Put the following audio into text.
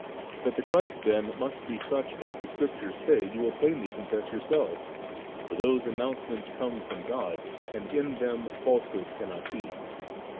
That the Christ then must be such as the Scriptures say, jfm will plainly confess your selves. For those announcements come from God, and in them falsehood cannot he.